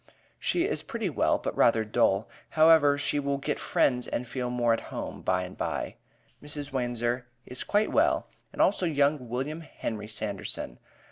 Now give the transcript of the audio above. She is pretty well, but rather dull; however, she will get friends and feel more at home by and bye. Mrs. Wanzer is quite well; and also young William Henry Sanderson.